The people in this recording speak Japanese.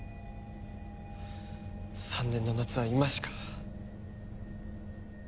３年の夏は今しか。